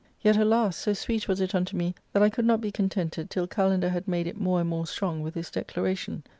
Yet, alas ! so sweet was it unto me that I could not be contented till Kalander had made it more and more strong with his declaration.